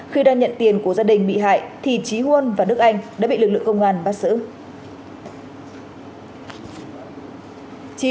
khi đang nhận tiền của gia đình bị hại thì trí huân và đức anh đã bị lực lượng công an bắt xử